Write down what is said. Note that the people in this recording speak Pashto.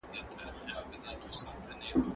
عبدالله ملا فيض الله کاکړ شاه حسين هوتک